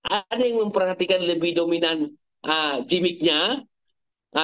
ada yang memperhatikan lebih dominan gimmicknya